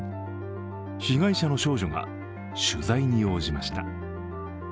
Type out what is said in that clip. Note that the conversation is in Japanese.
被害者の少女が取材に応じました。